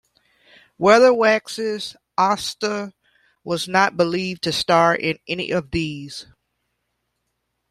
Weatherwax's Asta was not believed to star in any of these.